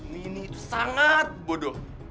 mini itu sangat bodoh